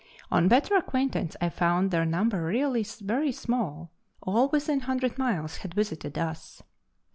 On better acquaintance I found their num ber really very small. All within 100 miles had visited us.